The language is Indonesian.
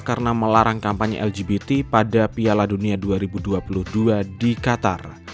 karena melarang kampanye lgbt pada piala dunia dua ribu dua puluh dua di qatar